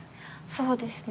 そうですね。